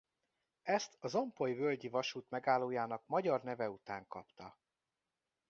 Ezt az ompoly-völgyi vasút megállójának magyar neve után kapta.